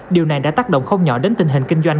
điều này đã tác động không nhỏ đến tình hình kinh doanh